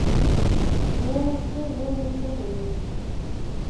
ஊனுக்கு ஊன் உற்ற துணை.